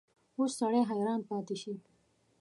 اوس سړی حیران پاتې شي.